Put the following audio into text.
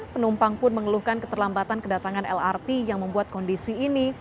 penumpang pun mengeluhkan keterlambatan kedatangan lrt yang membuat kondisi ini